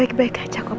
aku baik baik aja kok pa